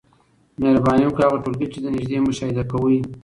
مهرباني وکړئ هغه ټولګي چي له نیژدې مشاهده کوی